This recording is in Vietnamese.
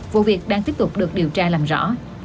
vụ việc đang tiếp tục được điều tra làm rõ